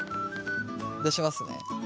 出しますね。